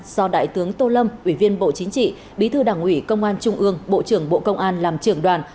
do đại tướng tô lâm ủy viên bộ chính trị bí thư đảng ủy công an trung ương bộ trưởng bộ công an làm trưởng đoàn